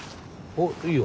おっいいよ。